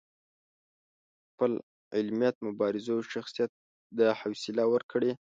خپل علمیت، مبارزو او شخصیت دا حوصله ورکړې.